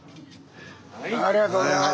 ありがとうございます。